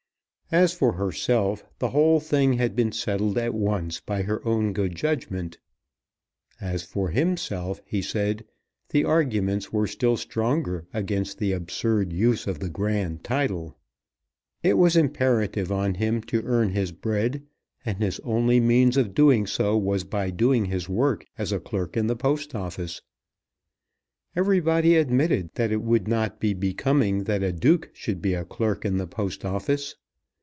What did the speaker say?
As for herself, the whole thing had been settled at once by her own good judgment. As for himself, he said, the arguments were still stronger against the absurd use of the grand title. It was imperative on him to earn his bread, and his only means of doing so was by doing his work as a clerk in the Post Office. Everybody admitted that it would not be becoming that a Duke should be a clerk in the Post Office.